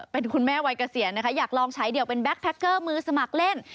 เป็นคุณแม่วัยเกษียณนะคะอยากลองใช้เดี่ยวเป็นแก๊แพคเกอร์มือสมัครเล่น